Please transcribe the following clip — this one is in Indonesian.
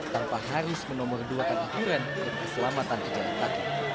tanpa harus menomor duakan aturan untuk keselamatan pejalan kaki